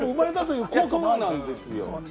そうなんですよね。